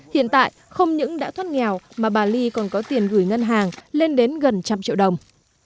hiện tại không những đã thoát nghèo mà bà ly còn có tiền gửi ngân hàng lên đến gần trăm triệu đồng